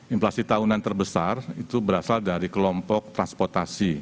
inflasi tahunan terbesar itu berasal dari kelompok transportasi